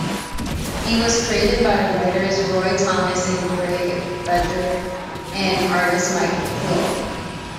He was created by writers Roy Thomas and Gary Friedrich, and artist Mike Ploog.